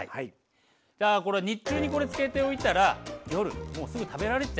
じゃあこれ日中にこれ漬けておいたら夜もうすぐ食べられちゃうってことですね。